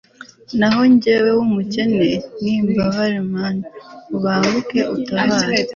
naho jyewe, w'umukene n'imbabare, mana, ubanguke untabare